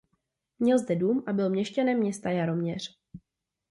Měl zde dům a byl měšťanem města Jaroměř.